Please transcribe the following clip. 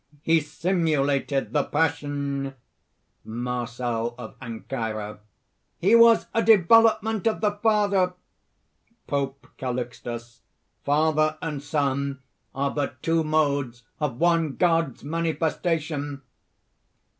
He simulated the Passion!" MARCEL OF ANCYRA. "He was a development of the Father!" POPE CALIXTUS. "Father and Son are but two modes of one God's manifestation!"